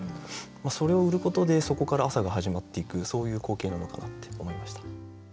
それを売ることでそこから朝が始まっていくそういう光景なのかなって思いました。